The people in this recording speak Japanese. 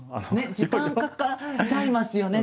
時間かかっちゃいますよね